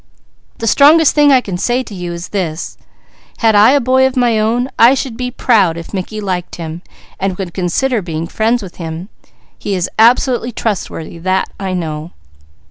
The strongest thing I can say to you is this: had I a boy of my own, I should be proud if Mickey liked him and would consider being friends with him. He is absolutely trustworthy, that I know."